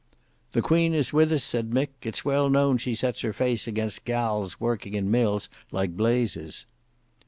"The Queen is with us," said Mick. "It's well known she sets her face against gals working in mills like blazes."